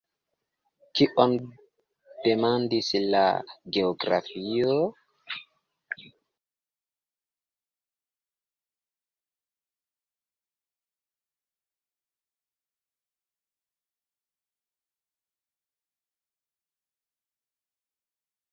"Ho, ve. Ĝi aspektas preskaŭ samkiel la mia!"